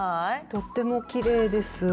とってもきれいです。